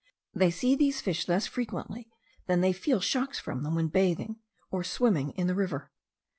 They see these fish less frequently than they feel shocks from them when swimming or bathing in the river.